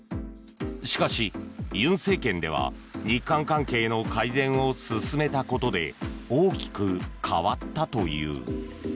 しかし、尹政権では日韓関係の改善を進めたことで大きく変わったという。